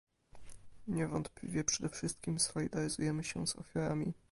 Niewątpliwie przede wszystkim solidaryzujemy się z ofiarami